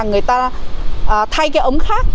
người ta thay cái ống khác